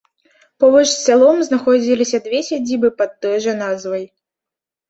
Побач з сялом знаходзіліся дзве сядзібы пад той жа назвай.